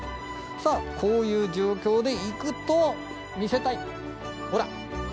さぁこういう状況で行くと見せたいほら。